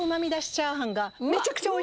チャーハン！